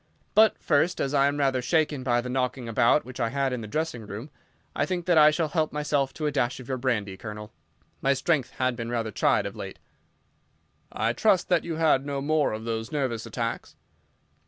But, first, as I am rather shaken by the knocking about which I had in the dressing room, I think that I shall help myself to a dash of your brandy, Colonel. My strength has been rather tried of late." "I trust that you had no more of those nervous attacks."